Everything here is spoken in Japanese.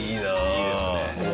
いいですね。